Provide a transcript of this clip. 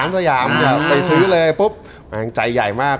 สยามจะไปซื้อเลยปุ๊บแรงใจใหญ่มาก